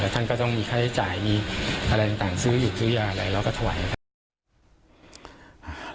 ท่านก็ต้องมีค่าใช้จ่ายมีอะไรต่างซื้ออยู่ซื้อยาอะไรเราก็ถวายครับ